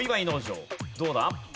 どうだ？